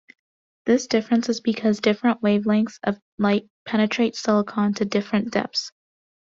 This difference is because different wavelengths of light penetrate silicon to different depths.